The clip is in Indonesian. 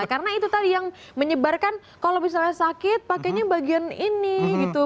karena itu tadi yang menyebarkan kalau misalnya sakit pakainya bagian ini gitu